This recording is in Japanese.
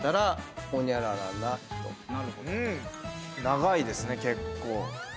長いですね結構。